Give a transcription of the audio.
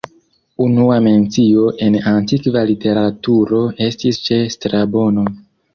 Unua mencio en antikva literaturo estis ĉe Strabono.